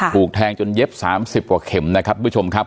ถูกแทงจนเย็บสามสิบกว่าเข็มนะครับผู้ชมครับ